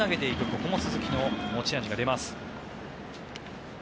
ここも鈴木の持ち味が出ます。